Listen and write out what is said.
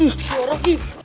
ih juara gitu